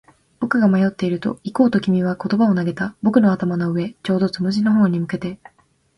僕が迷っていると、行こうと君は言葉を投げた。僕の頭の上、ちょうどつむじの方に向けて。